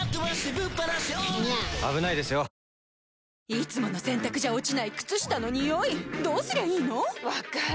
いつもの洗たくじゃ落ちない靴下のニオイどうすりゃいいの⁉分かる。